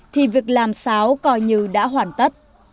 thì việc làm sáo coi như đã hoàn tất